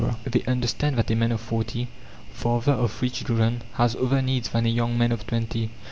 They understand that a man of forty, father of three children, has other needs than a young man of twenty.